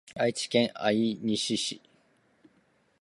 愛知県愛西市